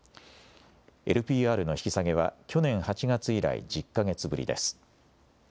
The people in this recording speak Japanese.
ＬＰＲの引き下げは去年８月以来、１０か月ぶりです。